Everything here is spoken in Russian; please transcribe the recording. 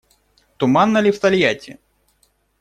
Туманно ли в Тольятти?